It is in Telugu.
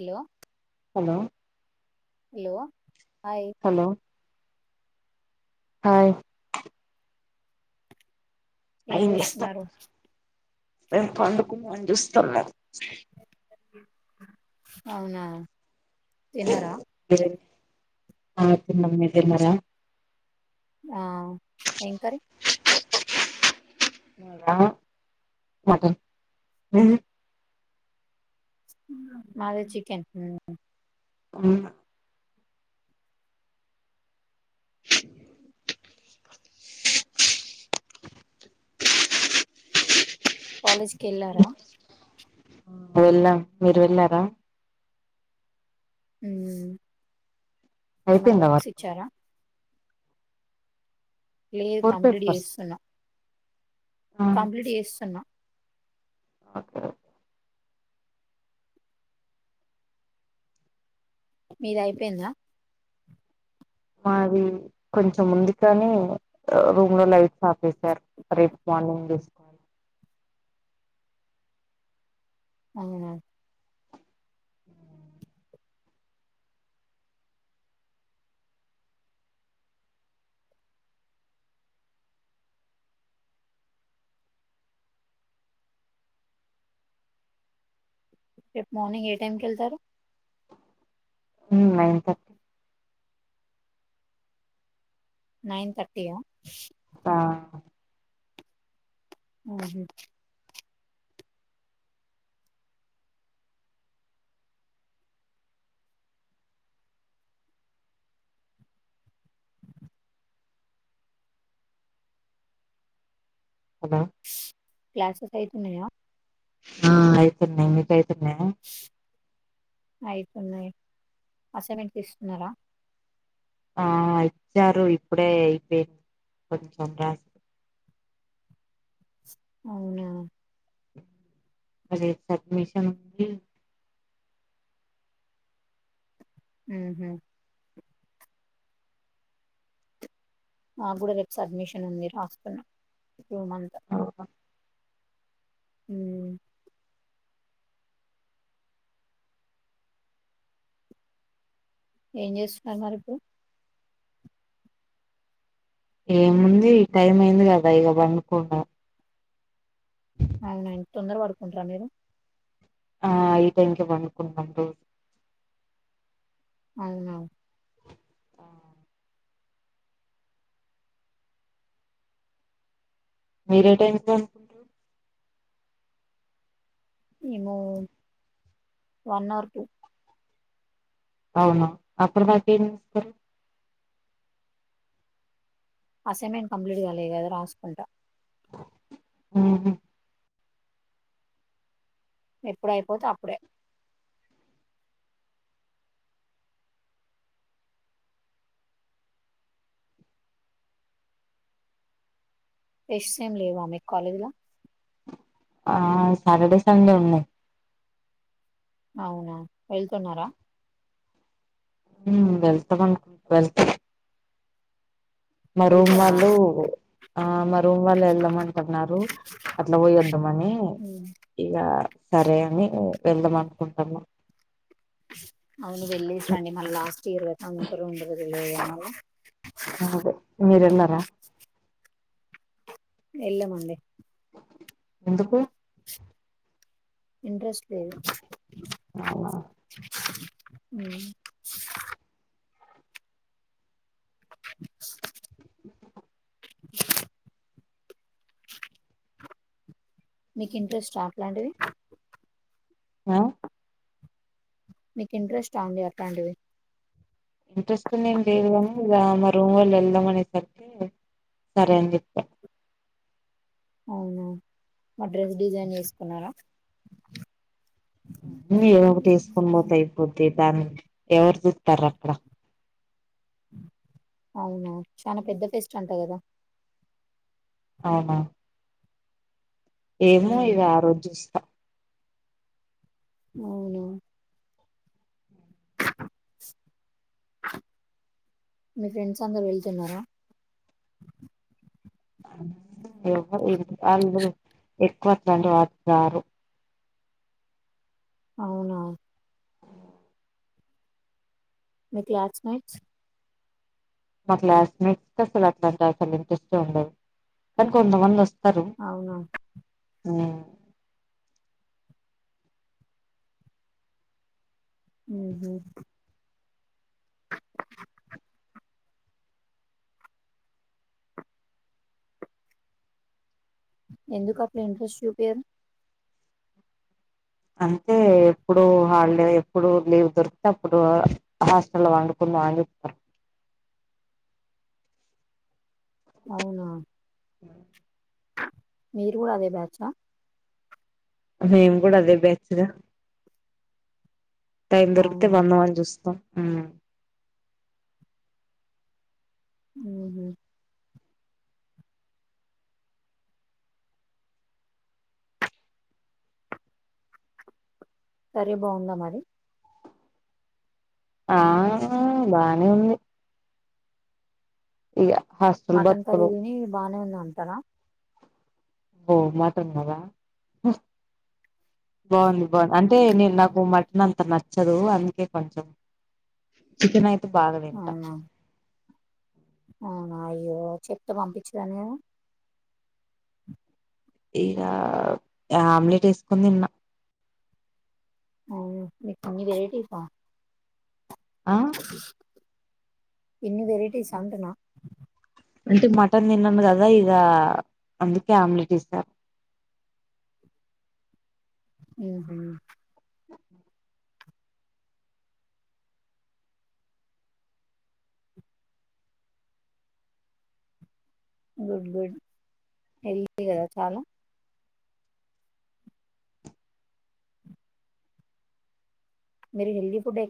Hello hello hello hi hello hi ఏం చేస్తున్నారు మేం పండుకున్నామని చూస్తన్నాం అవునా తిన్నారా ఆ తిన్నాం మీరు తిన్నరా ఆ ఏం కర్రీ మాదా మటన్ మీది మాది చికెన్ ఊ ఉన్నా కాలేజ్ కెళ్ళారా వెళ్ళాం మీరు వెళ్ళారా ఉమ్ ఏమన్నా అయిపోయిందా వర్క్స్ వర్క్ ఇచ్చారా లేదు ఫోర్ కంప్లీట్ పేపర్స్ చేస్తున్నా కంప్లీట్ ఏస్తున్నా ఓకే మీది అయిపోయిందా మాది కొంచెం ఉంది కానీ ని రూమ్ లో లైట్స్ ఆపేశారు రేపు మా మార్నింగ్ చేసుకోవాలి అవునా రేపు మార్నింగ్ ఏ టైం కెళ్తారు ఊ నైన్ థర్టీ నైన్ తర్టీ ఆ ఆ అహా అనా క్లాసెస్ అయితున్నాయా ఆ అయితున్నాయి మీకు అయితున్న అయితున్నాయి అసైన్మెంట్స్ ఇస్తున్నారా ఆ ఇచ్చారు ఇప్పుడే అయిపోయింది కొంచెం రాసి అవునా రేపు సబ్మిషన్ ఉంది ఊహూ ఆ కూడా రేపుస్ అడ్మిషన్ ఉంది రాస్తున్నా టూ మంత్ ఊ ఏం జేస్తున్నారు మరి ఇప్పుడు ఏముంది టైం అయింది గదా ఇగ పండుకుంటా అవునా ఇం తొందర పడుకుంటారా మీరు ఆ ఈ టైంకే పండుకుంటాం రోజు అవునా! మీరే టైంకి పండుకుంటారు? మేము వన్ ఆర్ టూ అవునా! అప్పడి దాకా ఏం చేస్తరు? అసైన్మెంట్ కంప్లీట్ చేయాలి గదా రాసుకుంటా ఉమ్ హూ ఎప్పుడైపోతే అప్పుడే ఎస్సేమ్ లేవా మీకు కాలేజ్ ల ఆ సాటర్డే సండే ఉన్నయ్ అవునా వెళ్తున్నారా ఉమ్ వెళ్తం అనుకుంట వెళ్తం మా రూమ్ వెళ్తారా వాళ్ళు ఆ మా రూమ్ వాళ్ళు వెళ్దాం అంటున్నారు అట్లా పోయొద్దామని ఉమ్. ఇగ సరే అని వెళ్దాం అనుకుంటునా అవును వెళ్ళెసిరండి మళ్ళ లాస్ట్ ఇయర్ కదా ఉంటరో ఉండరో తెలియదు గదా మళ్ళ ఆ యెళ్ళ మండి ఎందుకు ఇంట్రెస్ట్ లేదు అవునా ఉమ్ మీకు ఇంట్రెస్టా అట్లాంటివి ఆ మీకు ఇంట్రెస్టా అండి అట్లాంటివి ఇంట్రెస్ట్ అనేమ్ లేదు గానీ ఇగ మా రూమ్ వాళ్ళు వెళ్దాం అనేసరికే సరే అని జెప్పా అవునా మరి డ్రెస్ డిజైన్ యేసుకున్నారా ఏదో ఒకటి యేసుకొని పోతే అయిపోద్ది దాన్ని ఎవరు జూత్తారు అక్కడ అవునా చాలా పెద్ద ఫేస్ట్ అంటా గదా అవునా ఏమో ఉమ్. ఇగ ఆ రోజు జేస్ అవునా మీ ఫ్రెండ్స్ అందరు వెళ్తున్నారా? ఎవర్ ఆళ్ళు ఎక్కువ అట్లాంటి వాటికిరారు అవునా మీ క్లాస్ మెంట్స్ మా క్లాస్ మెంట్స్ కి అసలు అట్లా అసలు ఇంట్రెస్టే ఉండదు కాని కొంతమంది వస్త్ అవునా ఉమ్ హుహూ ఎందుకు అట్ల ఇంట్రెస్ట్ చూపియరు అంటే ఎప్పుడు హాలిడే ఎప్పుడు లీవ్ దొరికితే అప్పుడు హాస్టల్ వండుకున్ వాయబ్బ అవునా ఆ మీరు కూడా అదే బ్యాచా మేం కూడా అదే బ్యాచ్ టైం దొరికితే అవునా వందాం అని చూస్తాం ఉ ఉహు సరే బాగుందా మరి ఆ బానే ఉంది ఇగ హాస్టల్ మటన్ కర్రీ బతుకులు ని బాగానే ఉంది అంటారా ఓ మటన్ కదా బాగుంది బా అన్ అంటే నేను నాకు మటన్ అంత నచ్చదు అందుకే కొంచెం చికెన్ అయి బాగా తింటా అవునా అవునా అయ్యో చెప్తే పంపించేదని ఇక ఆమ్లెట్ ఏసుకొని తిన్న ఆ నీకు ఇన్ని వారిటీసా ఆ ఇన్ని వెరైటీస అంటున్నా అంటే మటన్ తినను కదా ఇక అందుకే ఆమ్లెట్ ఇస్తారు ఉహు గుడ్ గుడ్ హెల్తీ కదా చాలా మీరు హెల్ది ఫుడ్